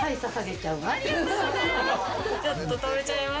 ちょっと食べちゃいます。